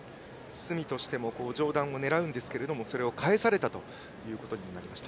角としても上段を狙うんですがそれを返されたということになりました。